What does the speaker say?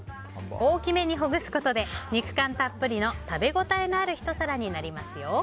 大きめにほぐすことで肉感たっぷりの食べ応えのあるひと皿になりますよ。